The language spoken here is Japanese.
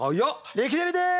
レキデリです！